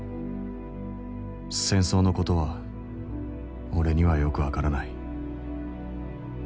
戦争の事は俺にはよく分からない。